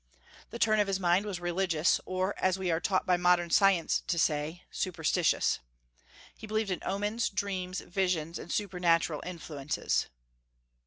The turn of his mind was religious, or, as we are taught by modern science to say, superstitious. He believed in omens, dreams, visions, and supernatural influences.